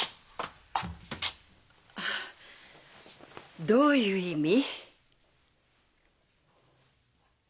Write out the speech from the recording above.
あっどういう意味？